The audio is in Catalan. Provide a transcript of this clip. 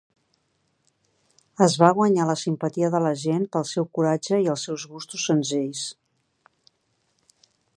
Es va guanyar la simpatia de la gent pel seu coratge i els seus gustos senzills.